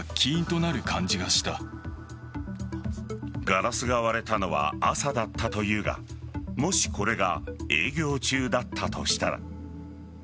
ガラスが割れたのは朝だったというがもしこれが営業中だったとしたら。